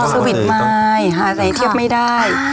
สวิตช์มายหาไหนเทียบไม่ได้